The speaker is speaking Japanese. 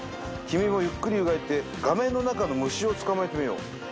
「君もゆっくり動いて画面の中の虫を捕まえてみよう」